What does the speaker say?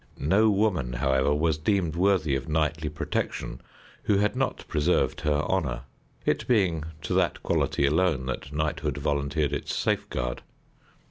No woman, however, was deemed worthy of knightly protection who had not preserved her honor, it being to that quality alone that knighthood volunteered its safeguard.